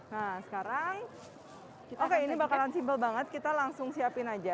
nah sekarang oke ini bakalan simpel banget kita langsung siapin aja